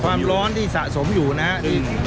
ความร้อนที่สะสมอยู่นะครับ